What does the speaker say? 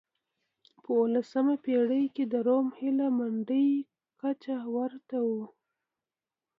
په اولسمه پېړۍ کې د روم هیله مندۍ کچه ورته و.